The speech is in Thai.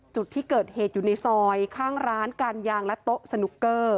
จุดที่เกิดเหตุอยู่ในซอยข้างร้านการยางและโต๊ะสนุกเกอร์